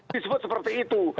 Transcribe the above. disebut seperti itu